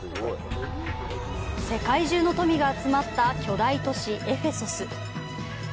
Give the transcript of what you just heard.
世界中の富が集まった巨大都市エフェソスの。